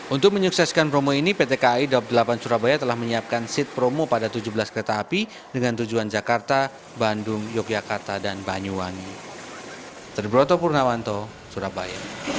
untuk menyukseskan promo ini pt kai daop delapan surabaya telah menyiapkan seat promo pada tujuh belas kereta api dengan tujuan jakarta bandung yogyakarta dan banyuwangi